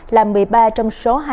là một mươi ba trong số